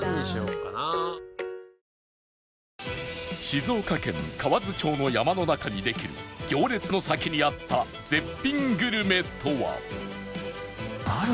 静岡県河津町の山の中にできる行列の先にあった絶品グルメとは